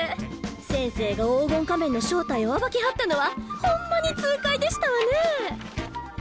先生が黄金仮面の正体を暴きはったのはホンマに痛快でしたわねぇ。